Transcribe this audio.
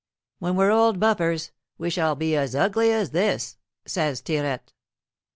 "When we're old buffers, we shall be as ugly as this," says Tirette.